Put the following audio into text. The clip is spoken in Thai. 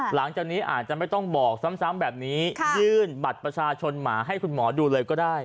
หลังจากนี้อาจจะไม่ต้องบอกซ้ำแบบนี้ยื่นบัตรประชาชนหมาให้คุณหมอดูเลยก็ได้